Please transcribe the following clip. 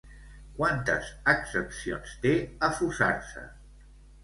Quantes accepcions té “afusar-se”?